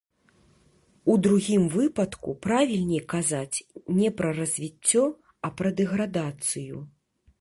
У другім выпадку правільней казаць не пра развіццё, а пра дэградацыю.